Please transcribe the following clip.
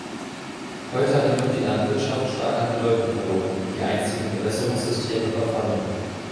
Heute hat jedoch die Landwirtschaft stark an Bedeutung verloren, die einstigen Bewässerungssysteme verfallen.